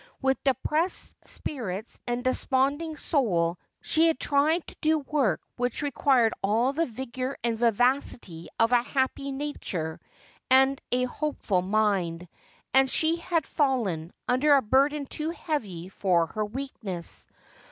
With depressed spirits and desponding soul she had tried to do work which required all the vigour and vivaeity of a happy nature and a hopeful mind ; and she had fallen, under a burden too heavy for her weakness.